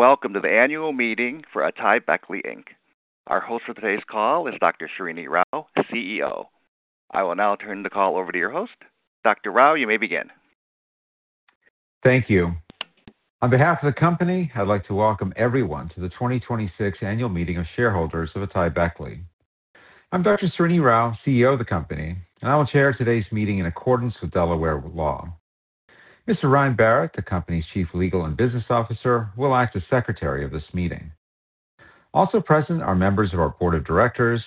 Welcome to the annual meeting for AtaiBeckley Inc. Our host for today's call is Dr. Srini Rao, CEO. I will now turn the call over to your host. Dr. Rao, you may begin. Thank you. On behalf of the company, I'd like to welcome everyone to the 2026 Annual Meeting of Shareholders of AtaiBeckley. I'm Dr. Srini Rao, CEO of the company, and I will chair today's meeting in accordance with Delaware law. Mr. Ryan Barrett, the company's Chief Legal and Business Officer, will act as secretary of this meeting. Also present are members of our board of directors,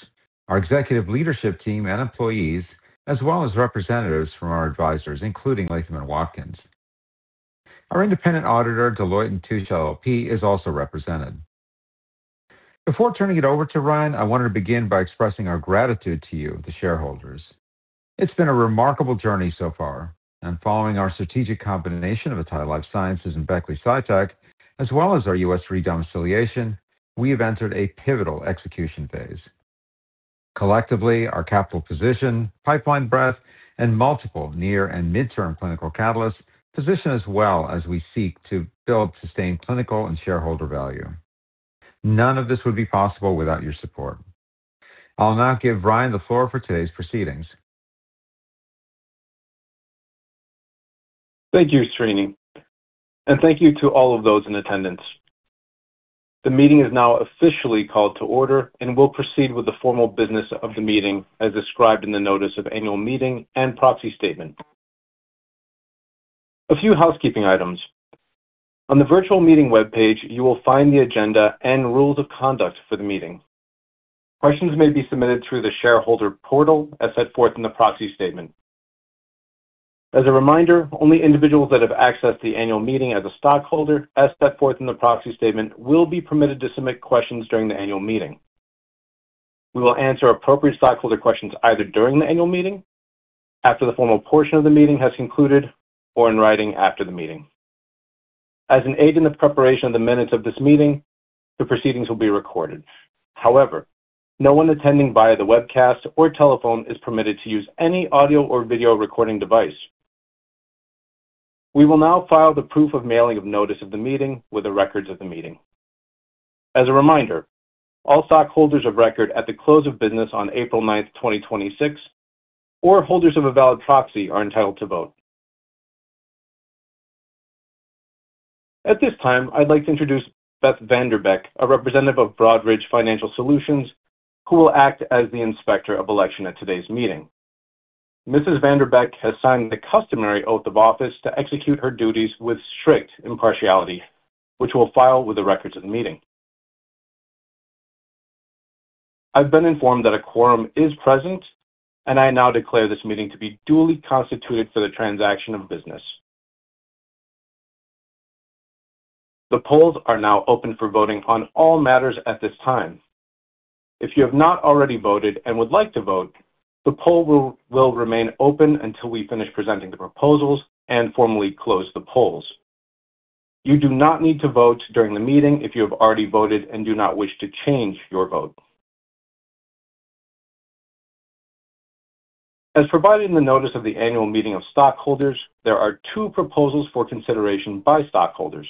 our executive leadership team, and employees, as well as representatives from our advisors, including Latham & Watkins. Our independent auditor, Deloitte & Touche, LLP, is also represented. Before turning it over to Ryan, I wanted to begin by expressing our gratitude to you, the shareholders. It's been a remarkable journey so far and following our strategic combination of Atai Life Sciences and Beckley Psytech, as well as our U.S. re-domiciliation, we have entered a pivotal execution phase. Collectively, our capital position, pipeline breadth, and multiple near and midterm clinical catalysts position us well as we seek to build sustained clinical and shareholder value. None of this would be possible without your support. I'll now give Ryan the floor for today's proceedings. Thank you, Srini. Thank you to all of those in attendance. The meeting is now officially called to order, and we'll proceed with the formal business of the meeting as described in the notice of annual meeting and proxy statement. A few housekeeping items. On the virtual meeting webpage, you will find the agenda and rules of conduct for the meeting. Questions may be submitted through the shareholder portal as set forth in the proxy statement. A reminder, only individuals that have accessed the annual meeting as a stockholder, as set forth in the proxy statement, will be permitted to submit questions during the annual meeting. We will answer appropriate stockholder questions either during the annual meeting, after the formal portion of the meeting has concluded, or in writing after the meeting. As an aid in the preparation of the minutes of this meeting, the proceedings will be recorded. However, no one attending via the webcast or telephone is permitted to use any audio or video recording device. We will now file the proof of mailing of notice of the meeting with the records of the meeting. As a reminder, all stockholders of record at the close of business on April 9, 2026, or holders of a valid proxy are entitled to vote. At this time, I'd like to introduce Beth Vander Beck, a representative of Broadridge Financial Solutions, who will act as the inspector of election at today's meeting. Mrs. Vander Beck has signed the customary oath of office to execute her duties with strict impartiality, which we'll file with the records of the meeting. I've been informed that a quorum is present. I now declare this meeting to be duly constituted for the transaction of business. The polls are now open for voting on all matters at this time. If you have not already voted and would like to vote, the poll will remain open until we finish presenting the proposals and formally close the polls. You do not need to vote during the meeting if you have already voted and do not wish to change your vote. As provided in the notice of the annual meeting of stockholders, there are two proposals for consideration by stockholders.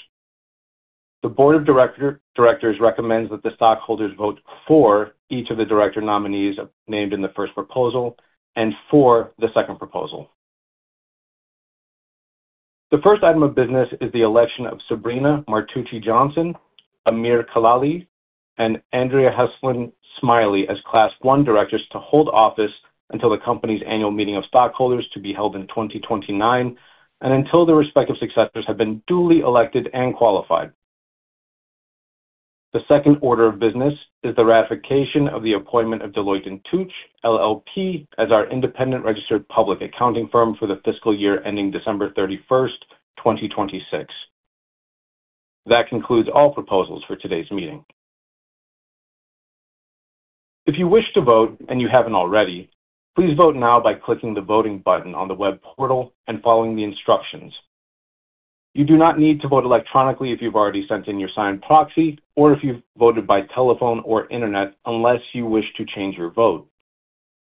The board of directors recommends that the stockholders vote for each of the director nominees named in the first proposal and for the second proposal. The first item of business is the election of Sabrina Martucci Johnson, Amir Kalali, and Andrea Heslin Smiley as Class 1 directors to hold office until the company's annual meeting of stockholders to be held in 2029 and until their respective successors have been duly elected and qualified. The second order of business is the ratification of the appointment of Deloitte & Touche LLP as our independent registered public accounting firm for the fiscal year ending December 31, 2026. That concludes all proposals for today's meeting. If you wish to vote and you haven't already, please vote now by clicking the voting button on the web portal and following the instructions. You do not need to vote electronically if you've already sent in your signed proxy or if you've voted by telephone or internet unless you wish to change your vote.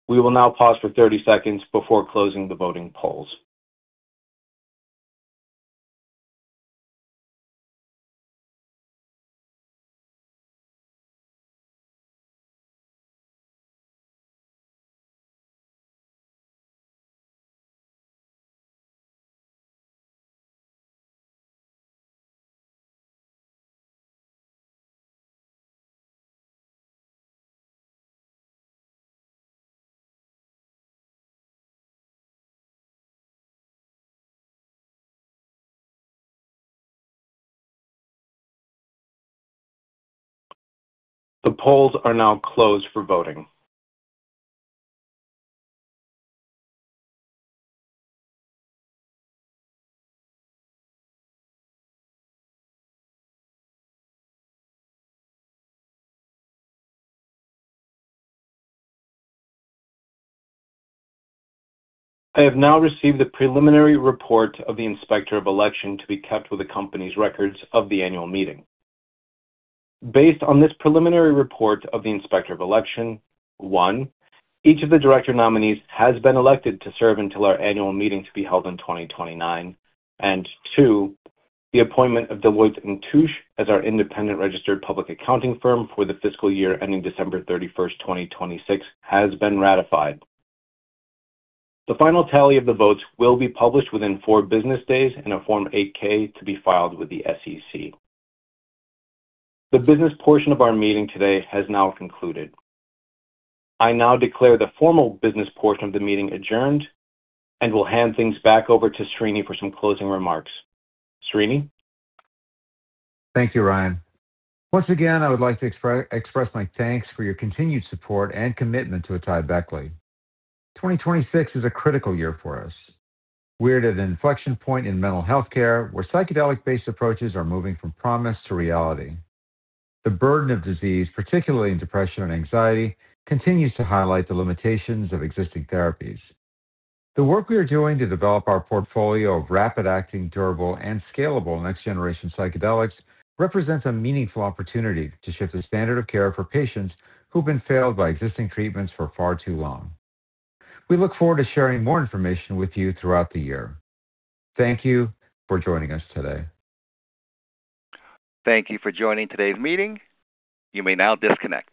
We will now pause for 30 seconds before closing the voting polls. The polls are now closed for voting. I have now received the preliminary report of the inspector of election to be kept with the company's records of the annual meeting. Based on this preliminary report of the inspector of election, one, each of the director nominees has been elected to serve until our annual meeting to be held in 2029. Two, the appointment of Deloitte & Touche as our independent registered public accounting firm for the fiscal year ending December 31, 2026, has been ratified. The final tally of the votes will be published within four business days in a Form 8-K to be filed with the SEC. The business portion of our meeting today has now concluded. I now declare the formal business portion of the meeting adjourned and will hand things back over to Srini for some closing remarks. Srini? Thank you, Ryan. Once again, I would like to express my thanks for your continued support and commitment to AtaiBeckley. 2026 is a critical year for us. We're at an inflection point in mental health care where psychedelic-based approaches are moving from promise to reality. The burden of disease, particularly in depression and anxiety, continues to highlight the limitations of existing therapies. The work we are doing to develop our portfolio of rapid-acting, durable, and scalable next-generation psychedelics represents a meaningful opportunity to shift the standard of care for patients who've been failed by existing treatments for far too long. We look forward to sharing more information with you throughout the year. Thank you for joining us today. Thank you for joining today's meeting. You may now disconnect.